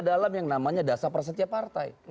dalam yang namanya dasar persetia partai